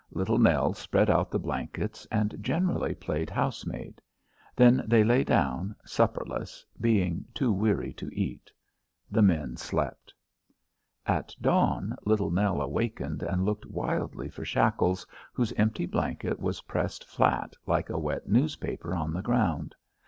Little Nell spread out the blankets, and generally played housemaid. Then they lay down, supperless, being too weary to eat. The men slept. At dawn Little Nell awakened and looked wildly for Shackles, whose empty blanket was pressed flat like a wet newspaper on the ground.